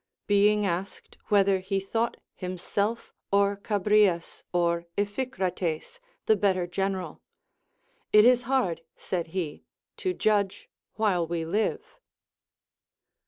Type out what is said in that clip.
Beini^ asked whether he thought himself or Chi brias or Iphicrates the better general. It is hard, said he, to judge while we live.